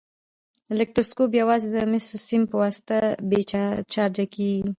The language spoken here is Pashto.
الکتروسکوپ یوازې د مسي سیم په واسطه بې چارجه کیږي.